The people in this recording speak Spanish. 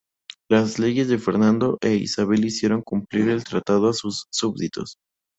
Los reyes Fernando e Isabel hicieron cumplir el Tratado a sus súbditos.